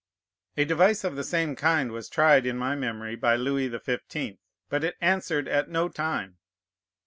A device of the same kind was tried in my memory by Louis the Fifteenth, but it answered at no time.